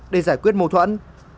để giải quyết mâu thuẫn